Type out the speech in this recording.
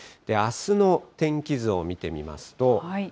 あすの天気図を見てみますと。